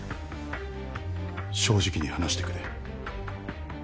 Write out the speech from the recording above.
正直に話してくれ。